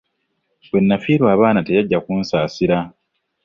Bwe nafiirwa abaana teyajja kunsaasira.